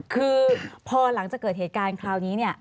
คือพอหลังจากเกิดเหตุการณ์คราวนี้เนี่ย